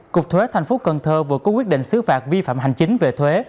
cục thuế thành phố cần thơ vừa có quyết định xứ phạt vi phạm hành chính về thuế